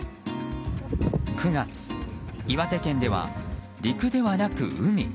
９月、岩手県では陸ではなく海。